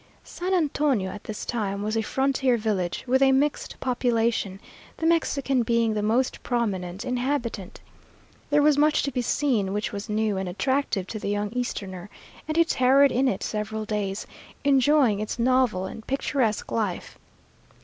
San Antonio at this time was a frontier village, with a mixed population, the Mexican being the most prominent inhabitant. There was much to be seen which was new and attractive to the young Easterner, and he tarried in it several days, enjoying its novel and picturesque life.